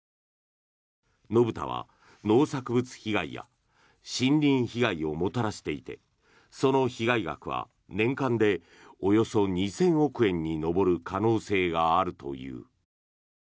野豚は農作物被害や森林被害をもたらしていてその被害額は年間でおよそ２０００億円に上る可能性があるという。